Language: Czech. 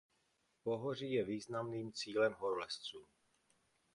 Pohoří je významným cílem horolezců.